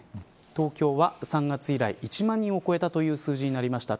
東京は３月以来、１万人を超えたという数字になりました。